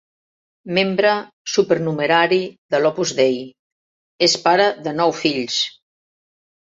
Membre supernumerari de l'Opus Dei, és pare de nou fills.